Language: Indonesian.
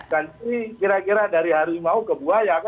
ganti kira kira dari hari mau ke buaya